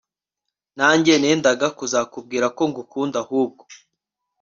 nanjye nendaga kuzakubwira ko ngukunda ahubwo